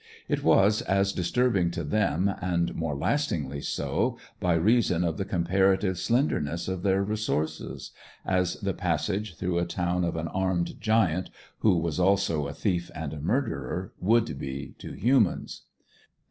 It was as disturbing to them, and more lastingly so, by reason of the comparative slenderness of their resources, as the passage through a town of an armed giant, who was also a thief and a murderer, would be to humans.